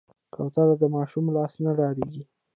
کوتره د ماشوم لاس نه ډارېږي.